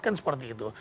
kan seperti itu